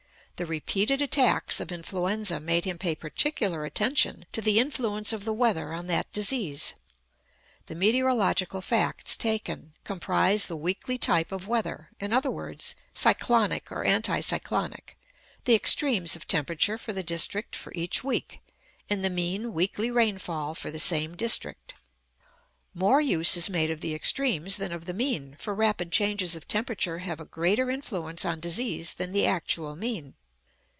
The repeated attacks of influenza made him pay particular attention to the influence of the weather on that disease. The meteorological facts taken comprise the weekly type of weather, i.e. cyclonic or anti cyclonic, the extremes of temperature for the district for each week, and the mean weekly rainfall for the same district. More use is made of the extremes than of the mean, for rapid changes of temperature have a greater influence on disease than the actual mean.